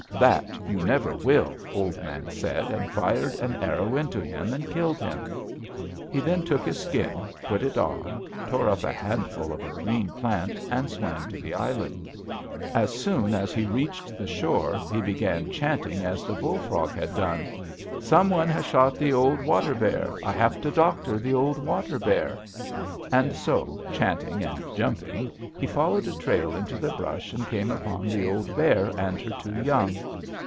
"'That you never will,' Old Man said, and fired an arrow into him, and killed him. He then took his skin, put it on, tore up a handful of a green plant, and swam to the island. As soon as he reached the shore he began chanting as the frog had done: 'Some one has shot the old water bear! I have to doctor the old water bear!' And so, chanting and jumping, he followed a trail into the brush and came upon the old bear and her two young.